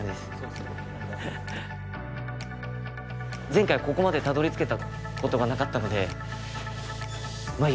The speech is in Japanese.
前回ここまでたどり着けたことがなかったのでまあ